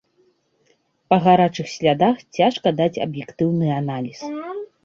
Па гарачых слядах цяжка даць аб'ектыўны аналіз.